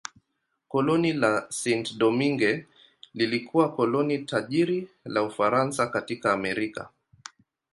Koloni la Saint-Domingue lilikuwa koloni tajiri la Ufaransa katika Amerika.